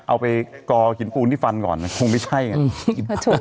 เอาไปกอหินปูนที่ฟันก่อนคงไม่ใช่ไง